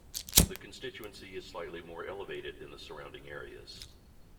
The constituency is slightly more elevated than the surrounding areas.